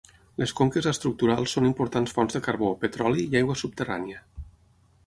Les conques estructurals són importants fonts de carbó, petroli, i aigua subterrània.